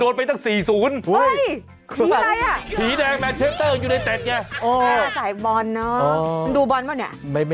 สายบอนเนอะดูบอนมั้ย